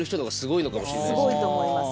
すごいと思います。